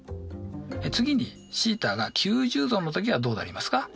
次にθが９０°の時はどうなりますか？